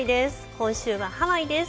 今週はハワイです。